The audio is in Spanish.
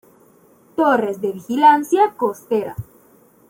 Torres de vigilancia costera